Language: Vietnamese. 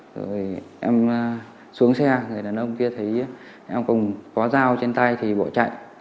rồi em xuống xe người đàn ông kia thấy em cùng có dao trên tay thì bỏ chạy